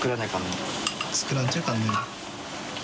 作らんちゃいかんね。